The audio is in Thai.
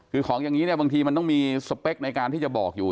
คือของอย่างนี้เนี่ยบางทีมันต้องมีสเปคในการที่จะบอกอยู่